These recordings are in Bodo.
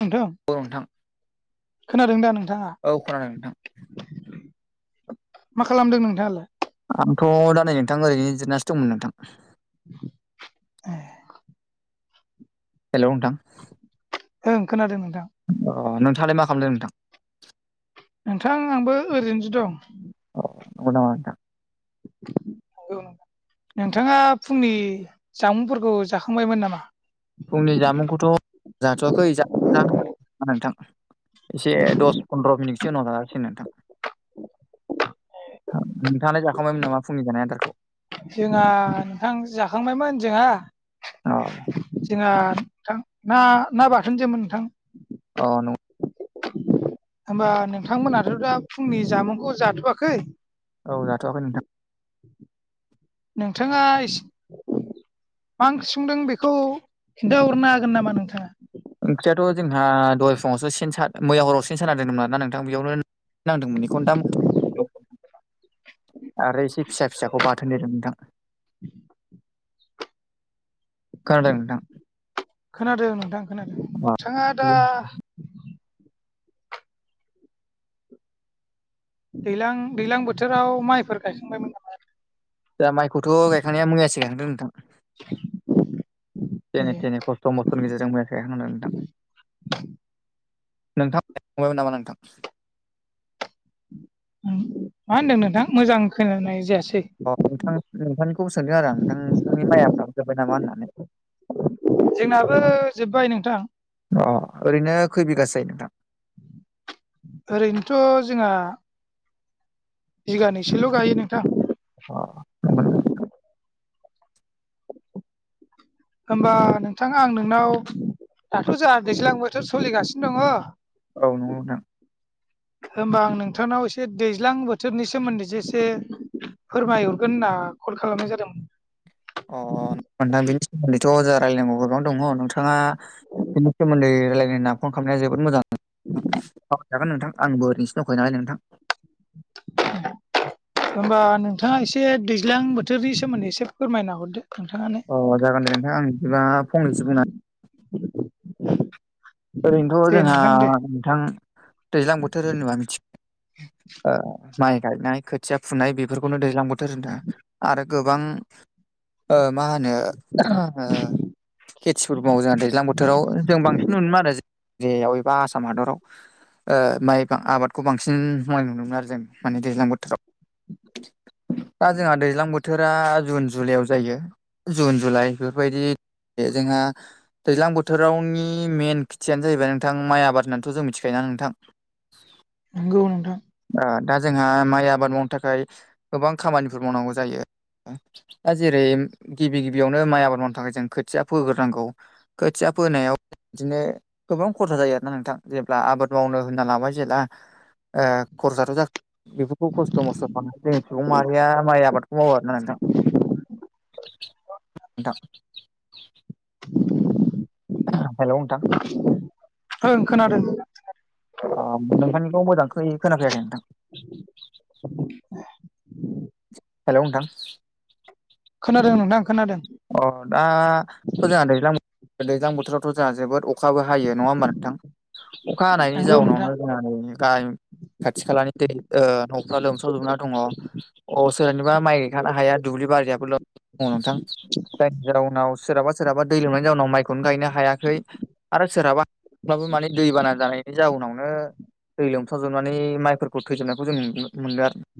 नोंथां औ नोंथां खोनादों दा नोंथाङा? औ खोनादों नोंथां। मा खालामदों नोंथाङालाय? आंथ' दा नै नोंथां ओरैनो जिरनासो दंमोन नोंथां। ए हेल' नोंथां ओ खोनादों नोंथां अ नोंथाङालाय मा खालामदों नोंथां नोंथां आंबो ओरैनोसो दं नंगं नामा नोंथां नोंथाङा फुंनि जामुंफोरखौ जाखांबायमोन नामा फुंनि जामुंखौथ' जाथ'वाखै जा नोंथां एसे दस पन्द्र मिनिटसो उनाव जानांसिगोन नोंथां [inaudible] नोंथाङा जाखांबायमोन नामा फुंनि जानाय आदारखौ जोंहा नोंथां जाखांबायमोन जोंहा अ जोंना नोंथां ना ना बाथोन सोमोन नोंथां। औ नं होमबा नोंथांमोनाथ' दा फुंनि जामुंखौ जाथ'वाखै औ जाथ'वाखै नोंथां। नोंथाङा एसे मा ओंख्रि संदों बेखौ खिन्थाहरनो हागोन नामा नोंथाङा। ओंख्रियाथ' जोंहा दहाय फुङावसो सेन सा मैया हराव सिन साना दोनदोंमोन आरोना नोंथां बेयावनो नांदोंमोन एखौनो दा आरो एसे फिसा फिसाखौ बाथोन देदों नोंथां खोनादों नोंथां? खोनादों नोंथां खोनादों नोंथाङा दा दैलां दैलां बोथोराव माइफोर गायखांबायमोन नामा? दा माइखौथ' गायखांनाया मैयासो गायखांदों नोंथां जेने ए थेने खस्थ' मस्थनि गेजेरजों मैयासो गायखांदों नोंथां। नोंथांमोना गायखांबायमोन नामा नोंथां ओं मा होनदों नोंथां मोजां खोनानाय जायासै। अ नोंथां नोंथांनिखौबो सोंदों आरो आं नोंथां नोंथांनि माइया हाबजोब्बाय नामा होननानै। जोंनाबो जोब्बाय नोंथां अ ओरैनो खै बिगासो जायो नोंथां ओरैनोथ' जोंहा। बिगानैसोल' गायो नोंथां। अ नंगौ नामा होमबा नोंथां आं नोंनाव दाथ' जोंहा दैज्लां बोथोर सोलिगासिनो दङ। औ नंगौ नोंथां। होमबा आं नोंथांनाव एसे दैज्लां बोथोरनि सोमोन्दै जो एसे। फोरमायहरगोन होनना कल खालामनाय जादोंमोन। अ नोंथां बेनि सोमोन्दैथ' जाहा रायलायनांगौ गोबां दङ नोंथाङा। बेनि सोमोन्दै रायलायनायना फन खालामनाया जोबोद मोजां। सावरायजागोन नोंथां आंबो ओरैनोसो दंखायो नालाय नोंथां। [inaudible] होनबा नोंथाङा एसे दैज्लां बोथोरनि सोमोन्दै एसे फोरमायना हरदो खोनथानानै अ जागोन दे नोंथां आं बिदिबा फंनैसो बुंना ओरैनोथ' दे जोंहा नोंथां दे नोंथां दैज्लां बोथोर होनोबा मिथि ओ माइ गायनाय खोथिया फुनाय बेफोरखौनो दैज्लां बो थोर आरो गोबां ओ मा होनो ओ खेथिफोर मावो जोंहा दैजां बोथोराव जों बांसिन नुनोमोन आरो जेयाव एबा आसाम हादराव माइ आबादखौ बांसिन मावनाय नुदोंमोन आरो जों माने दैज्लां बोथोराव [inaudible] दा जोंहा दैज्लां बोथोरा जुन जुलाइआव जायो जुन जुलाइ बेफोरबायदि बे जोंहा दैज्लां बोथोरावनि मेन खेथियानो जाहैबाय नोंथां माइ आबाद होननानैथ' जों मिथिखायो ना नोंथां। नंगौ नोंथां। दा जोंहा माइ आबाद मावनो थाखाय गोबां खामानिफोर मावनांगौ जायो। दा जेरै गिबि गिबियावनो माइ आबाद मावनो थाखाय जों खोथिया फोग्रोनांगौ। खोथिया फोनायाव बिदिनो। गोबां खरसा जायो आरोना नोंथां जेब्ला आबाद मावनो होनना लाबाय जेला। ओ खरसाथ' ज बेफोरखौ खस्थ' मस्थ' खालाम जों सुबुं माहारिया माइ आबादखौ मावो आरोना नोंथां नोंथां। हेलौ नोंथां ओं खोनादों। [unintelligible] नोंथांनिखौ मोजांखै खोनाफैयाखै नोंथां। [inaudible] हेलौ नोंथां। खोनादों नोंथांं खोनादों। अ दाथ' जोंहा दैज्लां बोथोर दैज्लां बोथोरावथ' जोंहा जोबोद अ अखाबो हायो नङा होमबा नोंथां? अखा हानायनि नंगौ नोंथां जाउनावहाय जोंहा ननि गाहाय खाथि खालानि दै न'फ्रा लोमस्रावजोबना दङ। अ सोरहानिबा माइ गायखानाय हाया दुब्लि बारियाबो दङ नोंथां। जायनि जाउनाव सोरहाबा सोरहाबा दै लोमनायनि जाउनाव माइखौनो गायनो हायाखै आरो सोरहाबा हब्लाबो माने दैबाना जानायनि जाउनावनो दै लोमसावजोबनानै माइफोरखौ थैजोबनायखौ जों नुनो मोनो आरोना।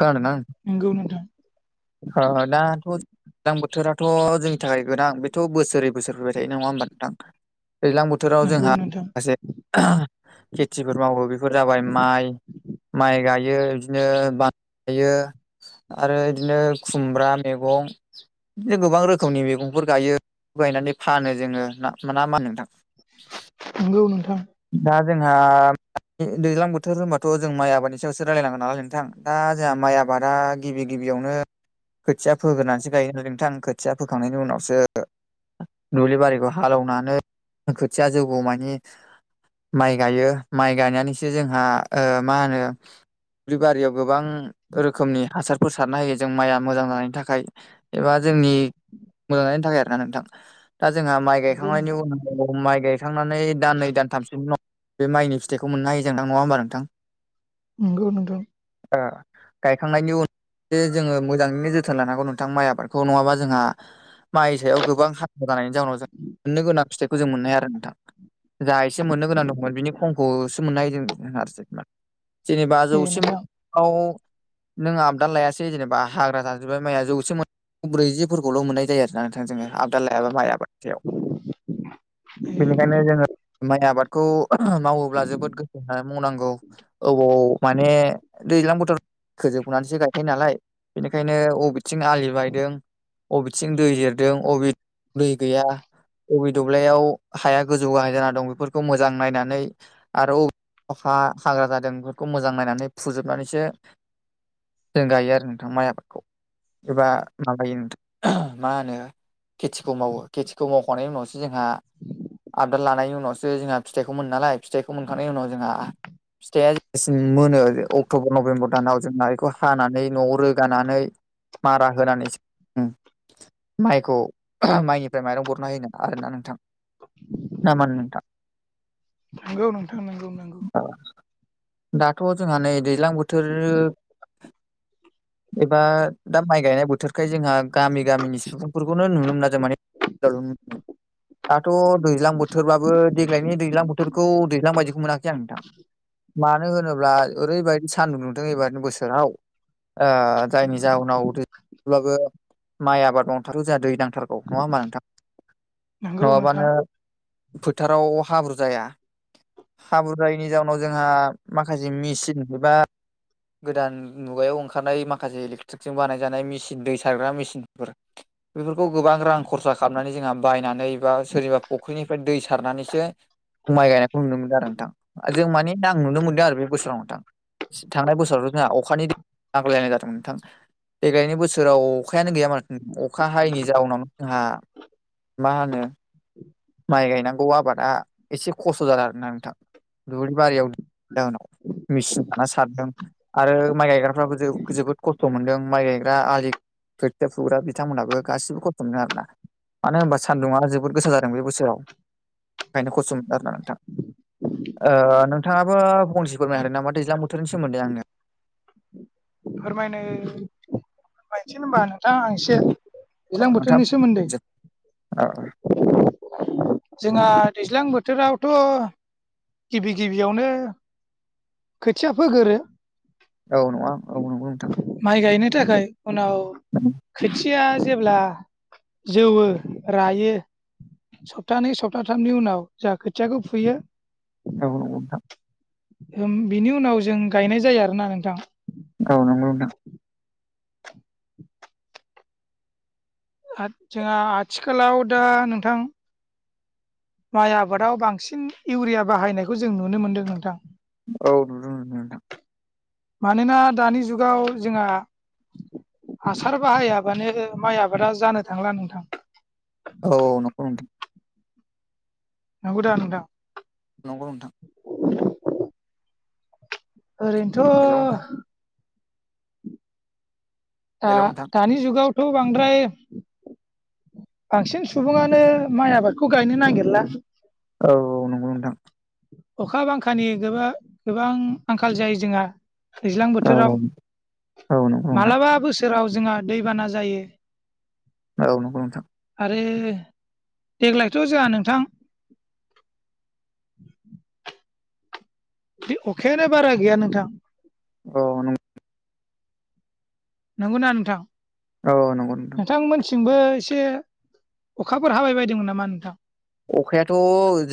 खोनादोंना? नंगौ नोंथां। ओ दाथ' जों दैज्लां बोथोराथ' जोंनि थाखाय गोनां बेथ' बोसोरै बोसोर फैबाय थायो नङा होमबा नोंथां? दैज्लां बोथोर बोथोराव नंगौ जोंहा नोंथां माखासे [inaudible] खेथिफोर मावो बेफोर जाबाय माइ माइ गायो बिदिनो थायो आरो बिदिनो खुमब्रा मैगं बि गोबां रोखोमनि मैगंफोर गायो गायनानै फानो जोङो ना ना मा नोंथां? [inaudible] नंगौ नोंथां। दा जोंहा दैज्लां बोथोर होनबाथ' जों माइ आबादनि सायावसो रायलायनांगोन नालाय नोंथां। दा जोंहा माइ आबादा गिबि गिबियावनो खोथिया फोग्रोनासो गायो नालाय नोंथां खोथिया फोखांनायनि उनावसो दुब्लि बारिखौ हालौनानै खोथिया जौगौ मानि माइ गायो माइ गायनानैसो जोंहा ओ मा होनो दुब्लि बारियाव गोबां रोखोमनि हासारफोर सारना होयो जों माइआ मोजां जानायनि थाखाय। एबा जोंनि मोजांजानायनि थाखाय आरोना नोंथां दा जोंहा माइ नंगौ गायखांनायनि नोंथां उनाव माइ गायखांनानै दान नै दानथाम सोनि उनाव बे माइनि फिथाइखौ मोननो हायो जों नङा होनबा नोंथां? नंगौ नोंथां। गायखांनायनि उन जे जोङो मोजाङैनो जोथोन लानो हांगौ नोंथां माइ आबादखौ नङाबा जोंहा माइ सायाव गोबां हाग्रा जानायनि जाउनाव जों मोननो गोनां फिथाइखौ जों मोननो हाया आरो नोंथां। जा एसे मोननो गोनां दंमोन बिनि खमखौसो मोननो हायो जों आरो। जेनेबा ए जौसे नोंथां [unintelligible] आव नों आबदा लायासै जेनेबा हाग्रा जाजोबबाय माइआ जौसेमोन ब्रैजिफोरखौल' मोननाय जायो आरो ना नोंथां जोङो आबदा लायाबा माइ आाबादनि सायाव। ए बेनिखायनो जोङो माइ आबादखौ मावोब्ला जोबोद गोसोहोनानै मावनांगौ अबाव माने दैज्लां बोथोर खोजोबनानैसो गायो नालाय बेनिखायनो अबेथिं आलि बायदों अबेथिं दै देरदों अबे दै गैया बबे दब्लायाव हाया गोजौ गाहाय जाना दं बेफोरखौ मोजां नायनानै आरो अबे हाग्रा जादों बेफोरखौ मोजां नायनानै फुजोबनानैसो जों गायो आरो नोंथां माइ आबादखौ एबा माबायो नोंथां मा होनो खेथिखौ मावो खेथिखौ मावखांनायनि उनावसो जोंहा आबदाद लानायनि उनावसो जोंहा फिथाइखौ मोनो नालाय फिथाइखौ मोनखांनायनि उनाव जोंहा फिथाइया जेब्लासिम मोनो अक्ट'बर नभेम्बर दानाव जों ना बेखौ हानानै न'आव रोगानानै मारा होनानैसो माइखौ माइनिफ्राय माइरं बरना होा आरोना नोंथां। नामाना थगौ नोंथां नगौ नंगौ दाथ' जोंहा नै दैज्लां बोथोर [inaudible] एबा दा माइ गायनाय बोथोरखाय जोंहा गामि गामिनि सुबुंफोरखौनो नुनो मोना जों मानानि [unintelligible] दाथ' दैज्लां बोथोरबाबो देग्लायनि दैज्लां बोथोरखौ दैज्लां बायदिखौ मोनाखै आं नोंथां मानो होनोब्ला ओरैबायदि सान्दुं दुंदों एबारनो बोसोराव जायनि जाहोनाव थब्लाबो माइ आबाद मावथारगौ जोंहा दै नांथारगौ नङा होमा नोंथां नंगौ नोंथां नङाबानो फोथाराव हाब्रु जाया हाब्रु जायैनि जाउनाव जोंहा माखासे मेचिन एबा गोदान मुगायाव ओंखारनाय माखासे इलेकट्रिकजों बानायजानाय मेचिन दै सारग्रा मेसििनफोर बेफोरखौ गोबां रां खरसा खालामनानै जोंहा बायनानै बा सोरनिबा फुख्रिनिफ्राय दै सारनानैसो माइ गायनायखौ नुनो मोनदों आरो नोंथां जों माने आं नुनो मोनदों आरो बे बोसोराव नोंथां थांनाय बोसोरावथ' जोंहा अखानि नांग्लायलायनाय जादोंमोन नोंथां देग्लायनि बोसोराव अखायानो गैयामानोख अखा हायैनि जाउनाव जोंहा मा होनो माइ गायनांगौ आबादा एसे खस्थ' जाला आरोना नोंथां दुब्लि बारियाव जाहोनाव मेचिन लाना सारदों आरो माइ गायग्राफ्राबो जोबोद खस्थ' मोनदों माइ गायग्रा आलि खैथया फुग्रा बिथांमोनहाबो गासिबो खस्थ' मोनो आरोना मानो होनबा सान्दुङा जोबोद गोसा जायो। ं बे बोसोराव ओंखायनो खस्थ' मोनो आरोना नोंथांा नोंथाङाबो फंनसे फोरमायनो ह नाामा दैज्लाां मोथ बेफोरनि सोम्द आङो फोरमायनो बायसै होनबा नोंथां आं एसे औ दैज्लां नोंथां बोथोरनि सोमोन्दै औ जोंहा दैज्लां बोथोरावथ' गिबि गिबियावनो खोथिया फोगोरो औ नङा औ नंगौ नोंथां माइ गायनो थाखाय उनाव खोथिया जेब्ला जौवो रायो सप्तानै सप्ताथामनि उनाव जों खोथियाखौ फुयो बेबुन बां बिनि उनाव जों गायनाय जायो आरोोना नोंथां औ नंगौ नोंथां जोंहा आथिखालाव दा नोंथां माइ आबादाव बांसिन इउरिया बाहायनायखौ जों नुनो मोनदों नोंथां औ। मानोना दानि जुगाव जोंहा हासार बाहायाबानो माइ आबादा जानो थांला नोंथां औ औ नंखौ नंथां नंगौदा नोंथां नंगौ नोंथां हेलौ नोंथां ओरैनोथ' हेलौ नोंथां दा-दानि जुगावथ' बांद्राय बांसिन सुबुङानो माइ आबादखौ गायनो नागिरला औ औ नंगौ नोंथां अखा बांखानि गोबा गोबां आंखाल जायो जोंहा दैज्लां औ बोथोराव औ नंगौ नोंथां मालाबा बोसोराव जोंहा दैबाना जायो। ओ नंगौ नोंथां आरे देग्लायथ' जोंहा नोंथां फ्रि अखायानो बारा गैया नोंथां। औ नं नंगौना नोंथां? औ नंगौ नोंथां। नोंथांमोनथिंबो एसे अखाफोर हाबाय बायदोंमोन नामा नोंथां? अखायाथ'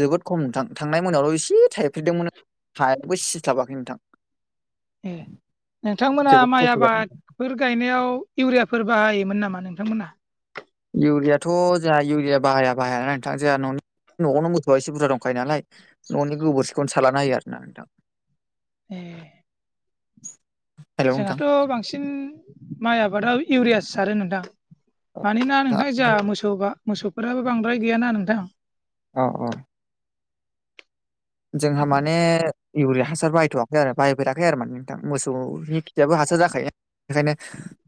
जोबोद खम नोंथां थांनाय मोनायावल' एसे थाइफ्रेदोंमोन। हाया बो सिस्लाबाखै नोंथां। ए नोंथांमोना जोबोद माइ खस्थ' जादों आबाद फोर गायनायाव इउरियाफोर बाहायोमोन नामा नोंथांमोनहा? इउरियाथ जोंहा इउरिया बाहाया बाहाया ना नोंथां जोंहा ननि न'आवनो मोसौआ एसे बुरजा दंखायो नालाय न'नि गोबोरखिखौनो सारलाना होयो आरोना नोंथां। ए हेलौ नोंथां जोंहाथ' बांसिन माइ आबादाव इउरिया सारो नोंथा। मानोना दा नोंथां जोंहा मोसौबा मोसौ मोसौफोराबो बांद्राय गैयाना नोंथां। अ अ जोंहा माने इउरिया हासार बायथ'वाखै आरो बायफेराखै आरो माने नोंथां। मोसौनि खियाबो हासार जाखायो ओंखायनो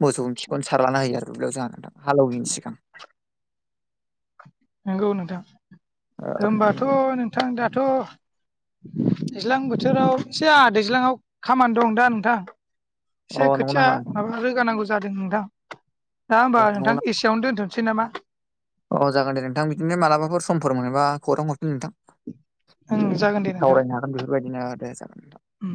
मोसौनि खिखौनो सारलानना होयो आरो जाहा नोंथां हालौवैनि सिगां। नंगौ नोंथां ओ नंगौ होनबाथ' नोंथां दाथ' दैज्लां बोथोराव एसे आहा दैज्लाङाव खामानि दं दा नोंथां। अ एसे नंगौ खोथिया नामा नोंथां? माबा रोगानांगौ जादों नोंथां दा अ होमबा नंगौ नोंथां ना एसे इयावनो दोनथनिसै नामा? अ जागोन दे नोंथां बिदिनो मालाबाफोर समफोर मोनोबा खौरां हरफिन नोंथां। ओं ओ जागोन दे नोंथां सावरायनो हागोन बेफोरबायदिनो दे जागोन उम